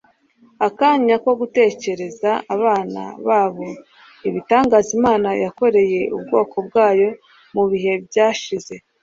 akanya ko gutekerereza abana babo ibitangaza Imana yakoreye ubwoko bwayo mu bihe byashize.